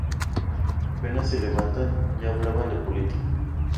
Apenas se levantaban ya hablaban de política.